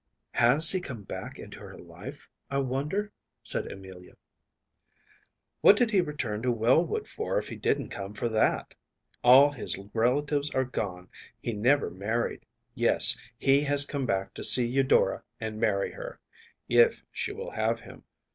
‚ÄĚ “Has he come back into her life, I wonder?‚ÄĚ said Amelia. “What did he return to Wellwood for if he didn’t come for that? All his relatives are gone. He never married. Yes, he has come back to see Eudora and marry her, if she will have him.